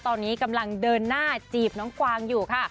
ตอนนี้กำลังเดินหน้าจีบน้องกวางอยู่ค่ะ